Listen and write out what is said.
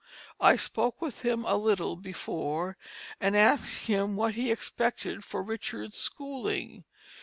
I spoke with him a little before and asked him what he expected for Richard's schooling.